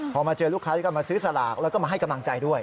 พอเจอลูกค้าจะกินสลากและให้ให้กำลังใจด้วย